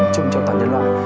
chung cho toàn nhân loại